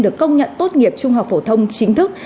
được công nhận tốt nghiệp trung học phổ thông chính thức